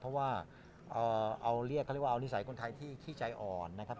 เพราะว่าเอาเรียกเขาเรียกว่าเอานิสัยคนไทยที่ขี้ใจอ่อนนะครับ